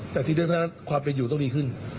แต่ที่เรื่องของความเป็นอยู่ต้องดีขึ้น